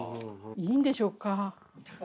いいんでしょうか？